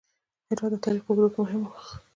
هرات د تاریخ په اوږدو کې مهم و